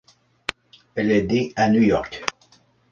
Elle est née à New York.